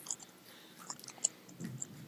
دغه مشال او ډیوه د ښوونکي په مازغو روښانه کیږي.